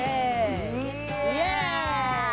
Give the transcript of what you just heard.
イエーイ！